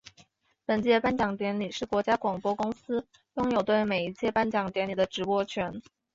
本届颁奖典礼是国家广播公司拥有对每一届颁奖典礼的直播权。